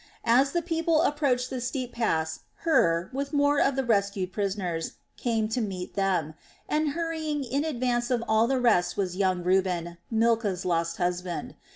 As the people approached the steep pass Hur, with more of the rescued prisoners, came to meet them, and hurrying in advance of all the rest was young Reuben, Milcah's lost husband.